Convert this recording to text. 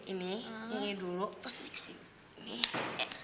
ini dulu terus ini ke sini